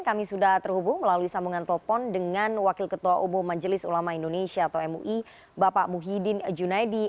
kami sudah terhubung melalui sambungan telepon dengan wakil ketua umum majelis ulama indonesia atau mui bapak muhyiddin junaidi